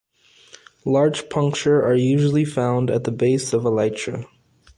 Large puncture are usually found at the base of elytra.